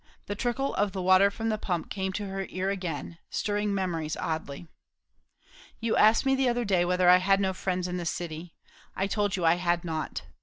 The trickle of the water from the pump came to her ear again, stirring memories oddly. "You asked me the other day, whether I had no friends in the city. I told you I had not.